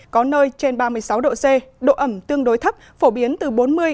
có nơi trên ba mươi sáu độ c độ ẩm tương đối thấp phổ biến từ bốn mươi năm mươi